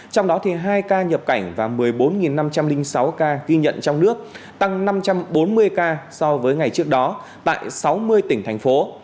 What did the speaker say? trong đó hai ca nhập cảnh và một mươi bốn năm trăm linh sáu ca ghi nhận trong nước tăng năm trăm bốn mươi ca so với ngày trước đó tại sáu mươi tỉnh thành phố